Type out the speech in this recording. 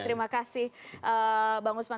terima kasih bang usman